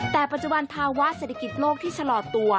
แต่ปัจจุบันภาวะเศรษฐกิจโลกที่ชะลอตัว